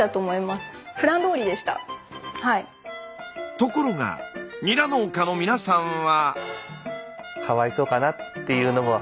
ところがニラ農家の皆さんは。えっ！